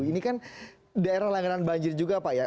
ini kan daerah langganan banjir juga pak ya